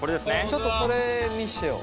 ちょっとそれ見してよ。